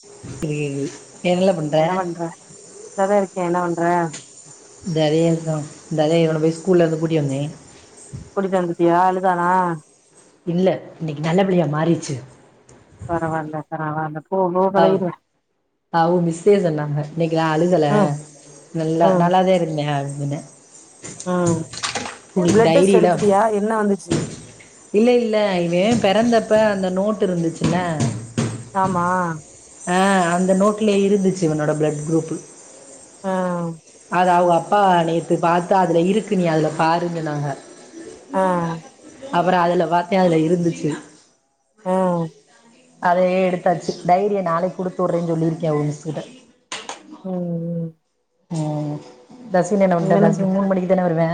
இப்பது கேக்குது என்ன பண்ற சும்மா தா இருக்கே என்ன பண்ற இந்ததேதா இந்ததே இவன போய் ஸ்கூலருந்து கூட்டி வந்தே கூட்டிட்டு வந்துட்டியா அழுதானா இல்ல இன்னைக்கி நல்லபிள்ளையா மாறிச்சு பரவால்ல பரவால்லப் அதல இரே அவுங்க மிஸ்சே சொன்னாங்க இன்னைக்கு அழுகல ம் நல்லா ம் நல்லாதே இருந்தியா அப்டினே ம் பிளட் டெஸ்ட் டைரியில எடுத்துட்டியா என்ன வந்துச்சு இல்ல இல்ல இவே பெறந்தப்பே அந்த நோட்டு் இருந்துச்சுல்ல ஆமா அ அந்த நோட்லே இருந்துச்சு இவனோட பிளட் குரூப்பு ஆ அத அவுக அப்பா நேத்து பாத்து அதுல இருக்கு நீ அதுல பாருன் சொன்னாக ஆ அப்றோ அதல பாத்தே அதுல இருந்துச்சு ம் அதையே எடுத்தாச்சு டைரிய நாளைக் குடுத்தூர்றன் சொல்லியிருக்கே அவுக மிஸ் கிட்ட ம் ம் தசின் என்ன ம் வன்ட்டே தச் எனக்கு மூன் மணிக்கு தானே வருவே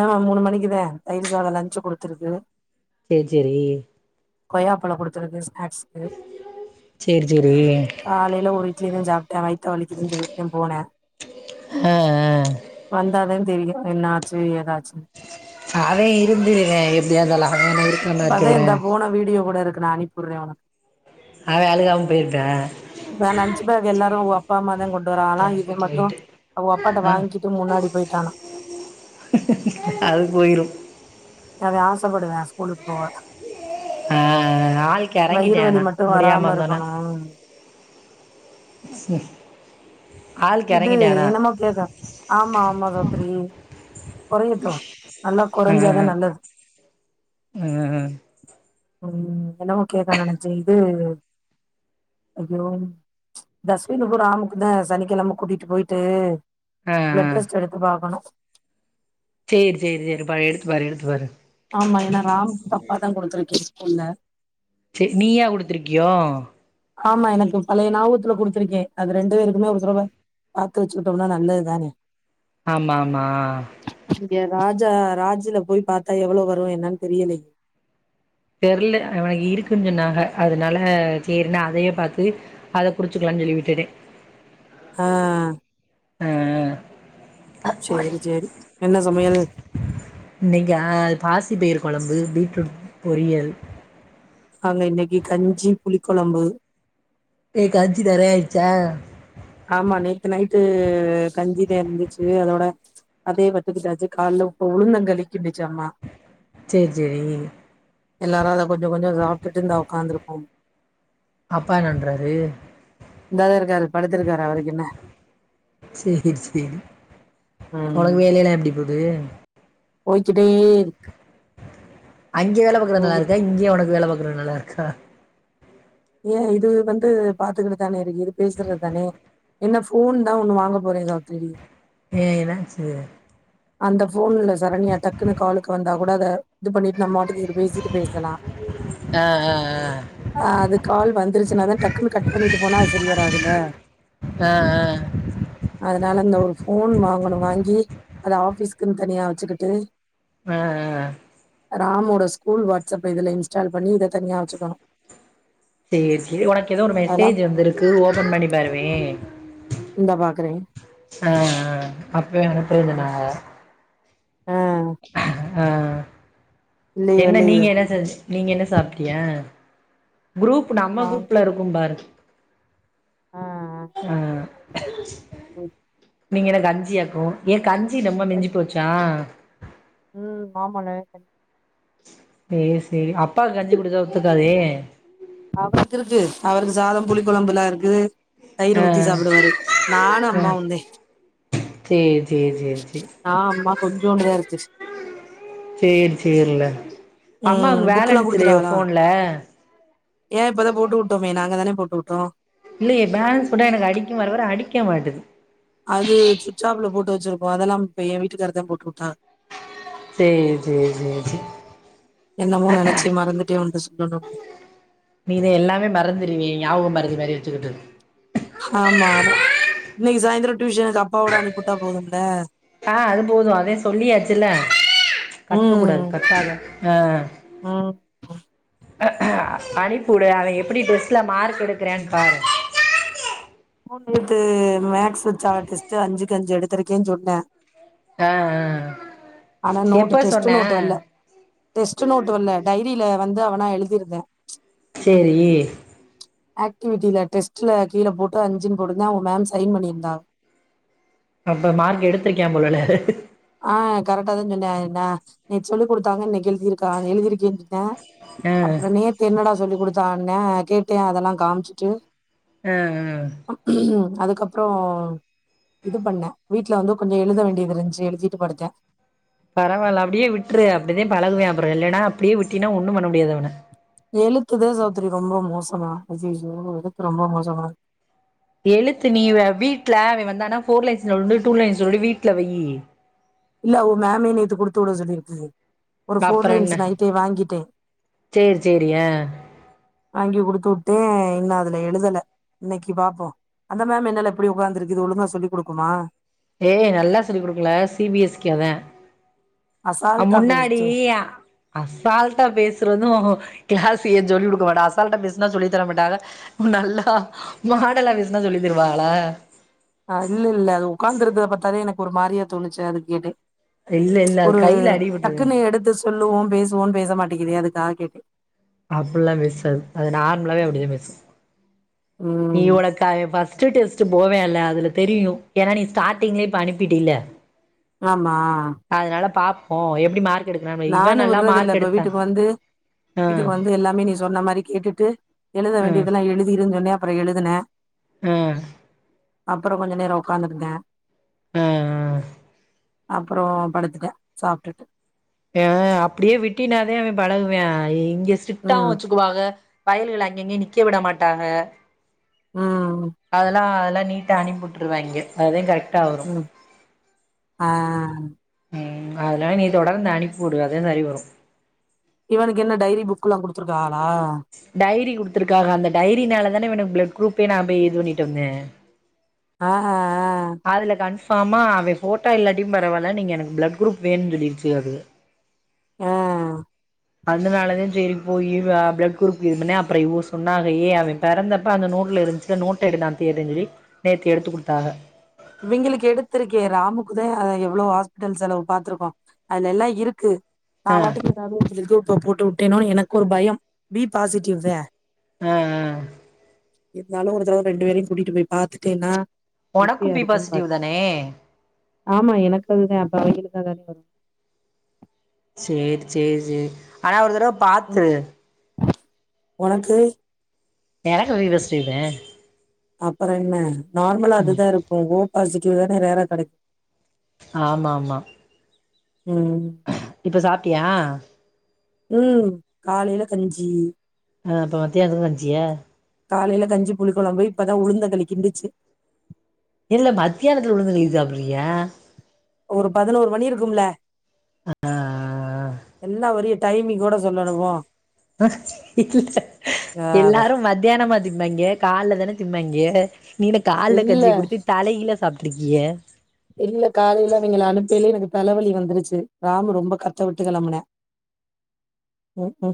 ஆமா மூனு மணிக்கிதே தயிர் சாதோ லஞ்சுக் குடுத்துருக்கு சேரி சேரி கொய்யாப்பழோ குடுத்துருக்கு ஸ்நாக்ஸ் சேரி சேரி காலைல ஒரு இட்லிதே சாப்ட்டே வைத்த வலிக்குதுன் சொல்லிட்டுதேம் போனே அ அ வந்தாதே தெரியு என்னாச்சு ஏதாச்சுன் அதே இருந்துருங்க எப்டியா இந்தாலு அகன இருக் இப்பதே இந்த புவனா வீடியோ கூட இருக்கு நா அனுப்பூர்ரே ஒனக் அவே அழுகாம போய்ட்டா பே லஞ்ச் பேக் எல்லாரு அவுக அப்பா அம்மாதே கொண்டு வாராகளா இவே டிராஃபிக் மட்டு லைட்டு அவக அப்பாட்ட ஆ வாங்கிட்டு முன்னாடி போயிட்டானா அது போயிரு அவே ஆசப்படுவையா ஸ்கூலுக் போக அ அ ஆள் வயிறு கெறங்கிட்டியா வலி ஆனா மட்டு முடியாம வராம இருந்தோனே இருக்கணு ச இது என்னமோ கேக்க ஆமா ஆமா சௌத்திரி கொறையட்டு நல்லாக் ஆ ஆ கொறஞ்சாதா நல்லது ஆ ம் என்னமோ கேக்க நெனச்சே இது ஐயோ தஸ்வினுகு ராமுக்குதே சனிக்கெழம கூட்டிட்டு போயிட்டு அ அ இன்ரெஸ்ட் எடுத்து பாக்கணு சேரி சேரி சேரி பாரு எடுத்து பாரு எடுத்து பாரு ஆமா எனா ராம் தப்பாதாங் குடுத்துருக்கே ஸ்கூல்ல சே நீயா குடுத்துருக்கியோ ஆமா எனக்கு பழைய நாபகத்துல குடுத்திருக்கே அது ரெண்டு பேருக்குமே ஒரு தரவ பாத்து வச்சுகிட்டோம்னா நல்லதுதானே ஆமாமா இங்க ராஜா ராஜ்ல போய் பாத்தா எவ்ளவரு என்னான் தெரியலையே தெர்ல அவ இருக்குன்னு சொன்னாக அதனால சேரினு அதையே பாத்து அத குறிச்சுக்கலான் சொல்லி விட்டுட்டே ஆ அ அ சேரி சேரி என்ன சமையல் இன்னக்கா பாசி பெயிறு கொழம்பு பீட்ரூட் பொரியல் அங்க இன்னக்கு கஞ்சி புளிக்கொழம்பு ஏ கஞ்சி நெறையா ஆயிர்ச்சா ஆமா நேத்து நைட்டு கஞ்சிதே இருந்துச்சு அதோட அதே வத்துக்குட்டாச்சு கால்ல இப்ப உளுந்த கழி கிண்டுச்சு அம்மா சேர் சேரி எல்லாரு அத கொஞ்ச கொஞ்ச சாப்டுட்டு இந்தா உக்காந்துருக்கோம் அப்பா என்னான்றாரு இந்தத இருக்காரு படு சேரி சேரி ஒனக்கு வேல எல்லா எப்டி போது போய்கிட்டே இருக்கு அங்கே வேல பாக்குறது நல்ல போகுது ருக்கா இங்க உனக்கு வேல பாக்கறது நல்ல ருக்கா ஏ இது வந்து பாத்துக்கிட்டுதானே இருக்கு இது பேசுறத் தானே என்ன போன் தா ஒண்ணு வாங்க போறே சாவித்திரி ஏ என்னாச்சு அந்த போன்ல சரண்யா டக்குன்னு காலுக்கு வந்தா கூட அத இது பண்ணிட்டு நம்மாட்டக்கு இது பேசிட்டு பேசலா ஆ ஆ அதுக் கால் வந்துருச்சுனாதா டக்குன்னு கட் பண்ணிட்டு போனா சரி வராதுல ஆ ஆ அதனால இந்த ஒரு போன் வாங்கணு வாங்கி அத ஆஃபிஸ்க்குன்னு தனியா வச்சுக்கிட்டு ஆ ஆ ஆ ராமோட ஸ்கூல் வாட்ஸ்அப் இதுல இன்ஸ்டால் பண்ணி இத தனியா வச்சுக்கணு சேரி செரி உனக்கு ஏதோ ஒரு அதெல்லா மெசேஜ் வந்திருக்கு ஓபன் பண்ணி பாருவே இந்தா பாக்குறே ஆஆ அப்பவே அனுப்புற ம் சொன்னாங்க ஆ ஆ இல்லையே என்ன இல்லையே நீங்க என்ன செஞ் நீங்க என்ன சாப்பிட்டிய குரூப் நம்ம நா குரூப்ல ருக்கும் பாரு ஆ ஆ [inaudible] ம் நீங்க என்ன கஞ்சியாக்கு ஏ கஞ்சி நொம்ப மிஞ்சி போச்சா ம் ஆமா லேட்டு சேர் செரி அப்பாக்கு கஞ்சி குடுத்தா ஒத்துக்காதே அவருக்கு இருக்கு அவருக்கு சாதம் புளி கொழம்பெல்லா இருக்கு தயிறு ஆ ஊத்தி சாப்பிடுவாரு நானு அம்மாவுந்தே சேர் சேர் சேர் சேர் ஆ ம்மா கொஞ்சோண்டுதா இருந்துச்சு சேர் சேரில ம் அம்மாவுக்கு புக்குல்லா வேலன்ஸ் இல்லயா குடுத்துட்டாகளா போன்ல ஏன் இப்பதான் போட்டு வுட்டோமே நாங்க தான போட்டு வுட்டோம் இல்லையே பேலன்ஸ் போட்டா எனக்கு அடிக்கும் வர வர அடிக்க மாட்டுது அது சுவிட்ச ஆப்ல போட்டு வச்சிருக்கோம் அதெல்லாம் இப்ப ஏ வீட்டுக்கார தான் போட்டு வுட்டா சேரி சேரி சேரி சேரி என்னமோ நெனைச்சே மறந்துட்டே ஓன்ட சொல்லணும் நீ இத எல்லாமே மறந்துருவே ஞாபகமறதி மாரி வச்சுக்கிட்டு ஆமா டா இன்னைக்கு சாயந்தரம் டியூஷனுக்கு அப்பாவோட அனுப்பிவுட்டா போதும்ல ஆ அது போதும் அதே சொல்லியாச்சுல கத்தக்க கூடாது ம் கத்தாத ஆ ம் அனுப்பிவுடு அவன் எப்டி டெஸ்ட்ல மார்க் எடுக்கறன் பாரு மூணு எழுத்து மேக்ஸ் சா டெஸ்ட்டு அஞ்சுக்கு அஞ்சு எடுத்திருக்கேன் சொன்ன ஆ ஆ ஆனா நோட்டு எப்ப சொன்ன டெஸ்ட் நோட்டு வல்ல டெஸ்ட்டு நோட்டு வல்ல டைரியில வந்து அவனா எழுதிருந்தேன் சேரி ஆக்டிவிட்டில டெஸ்ட்ல கீழ போட்டு அஞ்சுன் போட்டு இருந்தேன் அவங்க மேம் சைன் பண்ணியிருந்தாங் அப்ப மார்க் எடுத்திருக்கியான் போல்ல ஆன் கரெக்டா தான் சொன்ன நா நேத்து சொல்லி கொடுத்தாங்க இன்னைக்கு எழுதிருக்கா அத எழுதிருக்கேன் த ஆ அப்புறம் நேத்து என்ன டா சொல்லி் கொடுத்தான்ங்கண்ணா கேட்டேன் அதெல்லாம் காமிச்சிட்டு அ அ அதுக்கப்றோம் இது பண்ண வீட்ல வந்து கொஞ்சோ எழுத வேண்டியது இருந்துச்சு எழுதி படுத்த பரவால அப்டியே விட்டுரு அப்படிதான் பழகுவன் அப்புற இல்லன்னா அப்டியே விட்டின்னா ஒண்ணும் பண்ண முடியாது அவன எழுத்துதா சௌத்திரி ரொம்ப மோசமா அய்யயோ எழுத்து ரொம்ப மோசமா எழுத்து நீ வீட்ல அவ வந்தனா ஃபோர் லைன்ஸ் நோட் ஒன்னு டூ லைன்ஸ் நோட் ஒன்னு வீட்ல வைய் இல்ல அவுக மேம்மு நேத்து குடுத்து வுட சொல்லிருக்கு ஒரு ஃபோர் அப்றோ லைன்ஸ் என்ன நைட்டே வாங்கிட்டேன் சேரி சேரி ஆ வாங்கி குடுத்து உட்டேன் இன்னும் அதுல எழுதல இன்னைக்கு பாப்போம் அந்த மேம் என்னல இப்டி உட்காந்துருக்கு ஒழுங்கா சொல்லி குடுக்குமா ஏய் நல்லா சொல்லிக் குடுக்கம்ல சி பி எஸ் சி அதான் அ அசால்ட்டா முன்னாடி பேசுச்சே யா அசால்ட்டா பேசுறதும் கிளாஸ் ஏ சொல்லி குடுக்க மாட்டா அசால்ட்டா பேசுனா சொல்லி தர மாட்டாக ம் நல்லா மாடல்லா பேசுன்னா சொல்லி தருவாகளா அருளு இல்ல அது உட்காந்துறத பத்தாலே எனக்கு ஒரு மாரியா தோணுச்சு அதான் கேட்டேன் இல்ல இல்ல அது ஒரு கையில அடிபட்டுரு டக்குன்னு எடுத்து சொல்லுவோம் பேசுவோம் பேச மாட்டேங்கது அதுக்காக கேட்டேன் அப்படில்லாம் பேசாது அது நார்மலாவே அப்படிதான் பேஸ் நீ ம் ஒனக்கு அவன் ஃபஸ்ட்டு டெஸ்ட் போவேன்ல்ல அதுல தெரியும் ஏன்னா நீ ஸ்டார்டிங்லே இப்ப அனுப்பிட்டில்ல ஆமா அதனால பாப்போம் எப்டி மார்க் எடுக்கறான்னு இவ நானும் நல்லா விடுறது இல்ல மார்க் இப்ப எடுத்தா வீட்டுக்கு வந்து ஆ வீட்டுக்கு வந்து எல்லாமே நீ சொன்ன மாரி கேட்டுட்டு எழுத ஆ வேண்டியதெல்லாம் எழுதிரு சொன்னேன் அப்புறம் எழுதுனேன் அ அப்புறம் கொஞ்ச நேரம் உட்காந்து இருந்தான் ஆ அ அப்புறோம் படுத்துட்ட சாப்ட்டுட்டு ஆ ஹன் அப்டியே விட்டினா தானே அவன் பழகுவேன் இங்க ஸ்ட்ரிக்ட்டாவு ம் வச்சு வாக பயலுகள அங்கங்கெ நிக்க விட மாட்டாக ம் அதுலா அதுல்லா நீட்டா அனுப்பி விட்ருவாங்கெ அதுதெ கரெக்டா வரு ம் ஆ ம் அதுனால நீ தொடர்ந்து அனுப்பி விடு அதே சரி வரு இவனுக்கு என்ன டைரி புக்குல்லா குடுத்துருக்காகளா டைரி குடுத்துருக்காக அந்த டைரினால தானே இவனுக் பிளட் குரூப்பே நான் போய் இது வண்ணிட்டு வந்தே ஆஹ அதுல கன்ஃபாமா அவெ ஃபோட்டோ இல்லாட்டியு பரவால்ல நீங்க எனக்கு பிளட் குரூப் வேணுன் சொல்லிருச்சுக அதுக அ அதுனாலதெ செரி போயி ஆ பிளட் குரூப் இதுபன்னே அப்பறொ இவுக சொன்னாக ஏ அவெ பெறந்தப்ப அந்த நோட்ல இருந்துச்சு அந்த நோட்ட எடு நா தேட்றேன் சொல்லி நேத்து எடுத்துக் குடுத்தாக இவெங்களுக்கு எடுத்திருக்கே ராமுக்குதெ எவ்ளோ ஹாஸ்பிட்டல் செலவு பாத்துருக்கோ அதுல எல்லா இருக்கு ஆ நான் வாட்டுக்கு ஏதாது [inaudible] போட்டு விட்டேனோனு எனக்கு ஒரு பயம் பி பாசிட்டிவ் தெ அ அ இருந்தாலு ஒரு தடவ ரெண்டு வேரையு கூட்டிட்டு போய் பாத்துட்டேன்னா ஒனக்கு திருப்தியா பி இருக்கும்னு பாத் பாசிட்டிவ் தானே ஆமா எனக்கு அதுதே அப்ப அவெங்களுக்கு அதானே வரு சேரி சேரி சேரி ஆனா ஒரு தடவ பாத்துரு ஒனக்கு எனக்கு பி பாசிட்டிவ் தெ அப்பறொ என்ன நார்மலா அதுதா இருக்கு ஓ பாசிடிவ் தான ரேரா கெடைக் ஆமா ஆமா ம் இப்ப சாப்டியா ம் காலைல கஞ்சி அ அப்ப மத்தியான்துக்கு கஞ்சியா காலைல கஞ்சி புளி கொழம்பு இப்பதா உளுந்தங்களி கிண்டுச்சு இல்ல மத்தியானத்துல உளுந்தங்களி சாப்புட்றிய ஒரு பதினோரு மணி இருக்கும்ல அ அ எல்லா வரிய டைமிங்கோட சொல்லனுமோ இல்ல ஆ அவ எல்லாரு மத்யானமா திம்பாங்கெ கால்ல தான திம்பாங்கெ நீ இன்ன கால்ல இல்ல கஞ்சிய குடுச்சு தலகீல சாப்ட்ருக்கிய இல்ல காலைல அவெங்கெள அனுப்பைலே எனக்கு தலவலி வந்துருச்சு ராமு ரொம்ப கத்தவிட்டு கெளம்புனெ ம்கு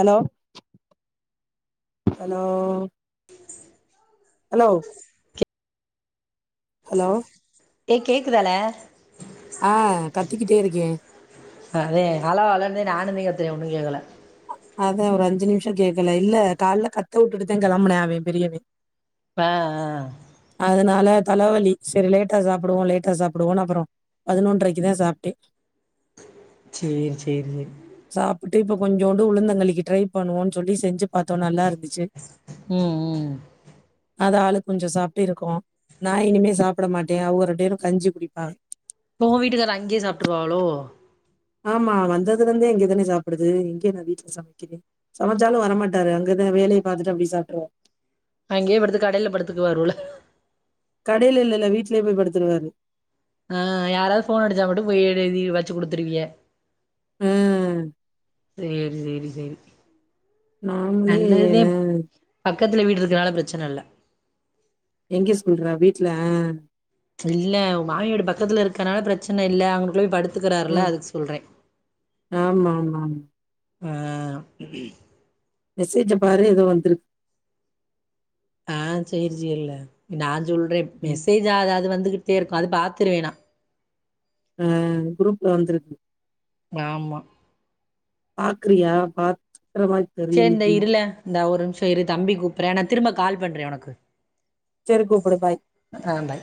அலோ அலோ அலோ ஹலோ ஏ கேக்குதால ஆ கத்திக்கிட்டே இருக்கே அதே அலோ அலோன் தே நானுந்தே கத்துறே ஒன்னு கேக்கல அதெ ஒரு அஞ்சு நிம்ஷொ கேட்கல இல்ல கால்ல கத்த வுட்டுட்டுதே கெளம்புனெ அவெ பெரியவே ப அ அதனால தலவலி செரி லேட்டா சாப்புடுவோ லேட்டா சாப்புடுவோனு அப்புறோ பதுனொன்றரைக்கு தா சாப்டே சேரி சேரி சாப்புட்டு இப்ப கொஞ்சோண்டு உளுந்தங்களிக்கு ட்ரை பண்ணுவோன்னு சொல்லி செஞ்சு பாத்தோ நல்லா இருந்துச்சு ம் ம் அத ஆளுக் கொஞ்சோ சாப் ப்டி இருக்கு நா இனிமே சாப்ட மாட்டே அவுக ரெண்டேரு கஞ்சி குடிப்பாக ஓ வீட்டுக்காரு அங்கயே சாப்டுருவாவளோ ஆமா வந்ததுலருந்தே இங்கேதான சாப்புடுது எங்கே நா வீட்ல சமைக்கிறே சமைச்சாலு வரமாட்டாரு அங்கதா வேலைய பாத்துட்டு அப்டியே சாப்டுருவார் அங்கயே படுத்து கடேல படுத்துக்குவாரு உள கடேல இல்லல்ல வீட்லயே போய் படுத்துருவாரு ஆ யாராவது ஃபோன் அடிச்சா மட்டு போய் எழுதி வச்சு குடுத்துருவீய ம் சேரி சேரி சேரி நாம்ளே ய நல்லதுதே பக்கத்துல வீடு இருக்கனால பிரெச்சன இல்ல எங்கே சொல்றா வீட்ல இல்ல ஒ மாமியா வீடு பக்கத்துல இருக்கனால பிரெச்சன இல்ல அங்குனுகுள்ள போய் படுத் துக்கிறார்ல ம். அதுக்கு சொல்றே ஆமா, ஆமா, ஆமா. ஆ மெசேஜ பாரு ஏதோ வந்திருக் ஆ சேரி சேரில நா சொல்றே ம். மெசேஜ் ஆக அது வந்துட்டே இருக்கு அது பாத்துருவேணா ஆ குரூப்ல வந்துருக்கு மாமா பாக்குரியா பாத் க்கிற மாரி சே இந்த தெரியலையே. இருல இந்த ஒரு நிம்சோ இரு தம்பி கூப்ட்றியா நா திரும்ப கால் பண்றே ஒனக்கு செரி கூப்டு பாய் அ ஆ பாய்